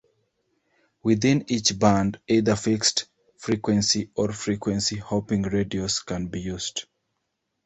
Within each band, either fixed frequency or frequency hopping radios can be used.